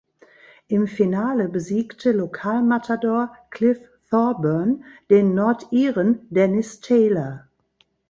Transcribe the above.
Im Finale besiegte Lokalmatador Cliff Thorburn den Nordiren Dennis Taylor.